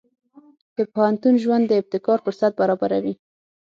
د پوهنتون ژوند د ابتکار فرصت برابروي.